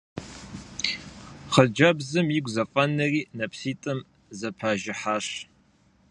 Хъыджэбзым игу зэфӏэнэри и нэпситӏым зэпажыхьащ.